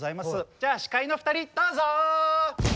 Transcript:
じゃあ司会の２人どうぞ！